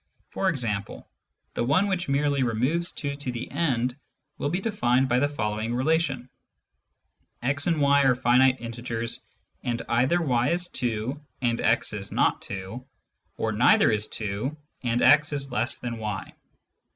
E.g. the one which merely removes 2 to the end will be defined by the following relation :" x and y are finite integers, and either y is 2 and x is not 2, or neither is 2 and x is less than y."